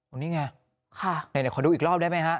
อันนี้ไงขอดูอีกรอบได้ไหมครับ